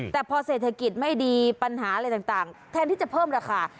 แต่พอเศรษฐกิจไม่ดีปัญหาอะไรต่างแทนที่จะเพิ่มราคา